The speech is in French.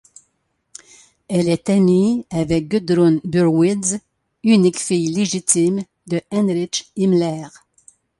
Elle est amie avec Gudrun Burwitz, unique fille légitime de Heinrich Himmler.